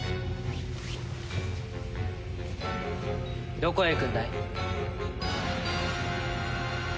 どこへ行くんだい？